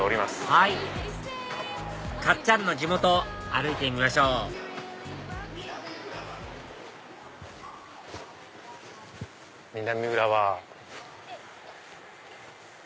はいかっちゃんの地元歩いてみましょう南浦和。